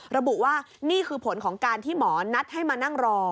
ระบุว่านี่คือผลของการที่หมอนัดให้มานั่งรอ